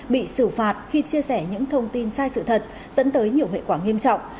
bị xử phạt khi chia sẻ những thông tin sai sự thật dẫn tới nhiều hệ quả nghiêm trọng